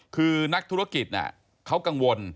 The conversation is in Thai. คือนักธุรกิจเขากังวล